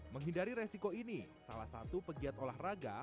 menghindari resiko ini salah satu pegiat olahraga